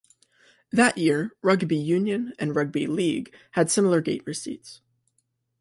That year rugby union and rugby league had similar gate receipts.